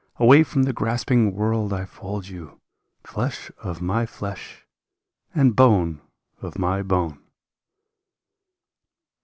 Away from the grasping world I fold you. Flesh of my flesh and bone of my bone